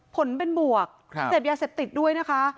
ผลเป็นบวกเสพยาเสพติดด้วยนะคะ